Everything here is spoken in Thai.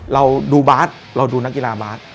เราดูบาร์ดเราดูนักกีฬาบาส